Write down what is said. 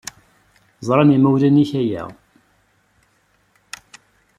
Ẓran yimawlan-nnek aya?